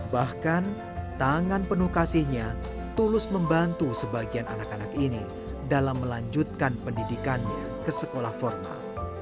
bahkan tangan penuh kasihnya tulus membantu sebagian anak anak ini dalam melanjutkan pendidikannya ke sekolah formal